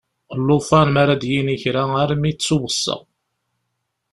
Llufan mi ara d-yini kra armi ittuweṣṣa.